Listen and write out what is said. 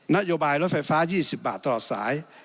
นโยบายรถไฟฟ้า๒๐บาทตลอดสาย